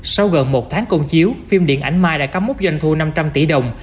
sau gần một tháng công chiếu phim điện ảnh mai đã cắm mốc doanh thu năm trăm linh tỷ đồng